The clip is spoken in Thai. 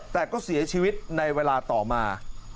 แต่ก็เสียชีวิตในเวลาต่อมา